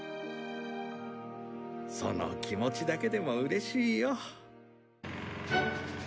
その気持ちだけでもうれしいよ。